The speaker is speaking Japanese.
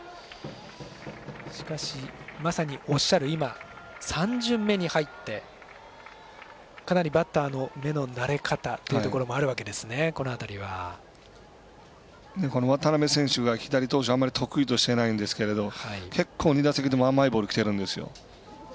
しかし、まさにおっしゃる３巡目に入ってかなり、バッターの目の慣れ方というのもあるわけですね渡部選手が左投手あまり得意としてないんですけど結構、２打席とも甘いボールがきてるんですよ。